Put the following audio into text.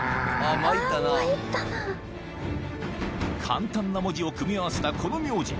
簡単な文字を組み合わせたこの名字